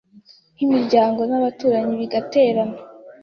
nk’imiryango n’abaturanyi bigaterana